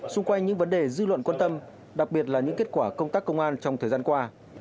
xung quanh những vấn đề dư luận quan tâm đặc biệt là những kết quả công tác công an trong thời gian qua